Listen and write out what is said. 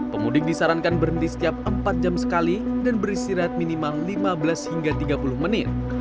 pemudik disarankan berhenti setiap empat jam sekali dan beristirahat minimal lima belas hingga tiga puluh menit